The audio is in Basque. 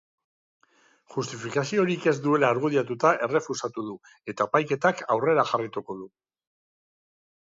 Justifikaziorik ez duela argudiatuta errefusatu du, eta epaiketak aurrera jarraituko du.